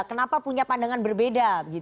kenapa punya pandangan berbeda